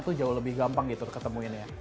itu jauh lebih gampang gitu ketemuinnya